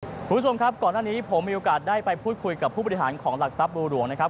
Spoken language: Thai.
คุณผู้ชมครับก่อนหน้านี้ผมมีโอกาสได้ไปพูดคุยกับผู้บริหารของหลักทรัพย์บัวหลวงนะครับ